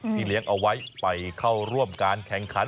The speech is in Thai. เลี้ยงเอาไว้ไปเข้าร่วมการแข่งขัน